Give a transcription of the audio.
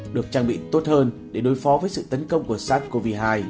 được trang bị tốt hơn để đối phó với sự tấn công của sars cov hai